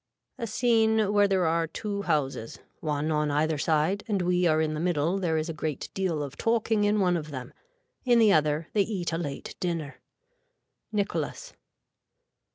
A scene where there are two houses. One on either side and we are in the middle there is a great deal of talking in one of them. In the other they eat a late dinner. (Nicholas.)